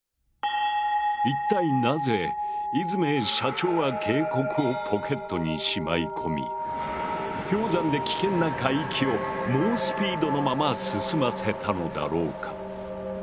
一体なぜイズメイ社長は警告をポケットにしまい込み氷山で危険な海域を猛スピードのまま進ませたのだろうか？